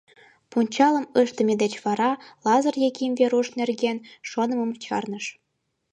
Пунчалым ыштыме деч вара Лазыр Яким Веруш нерген шонымым чарныш.